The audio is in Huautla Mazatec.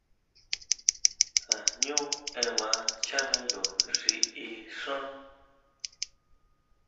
Tajñú ema nchá miyo xi í xán.